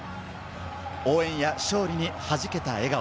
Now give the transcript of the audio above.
応援や勝利にはじけた笑顔。